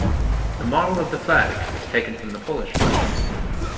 The model of the flag is taken from the Polish flag.